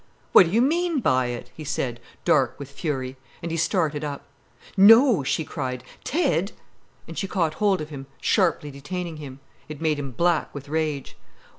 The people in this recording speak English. "What do you mean by it?" he said, dark with fury. And he started up. "No!" she cried. "Ted!" And she caught hold of him, sharply detaining him. It made him black with rage.